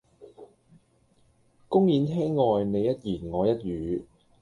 公演廳外你一言我一語